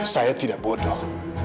saya tidak bodoh